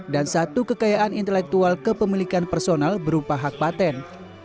dan satu kekayaan intelektual kepemilikan personal berupa hak patent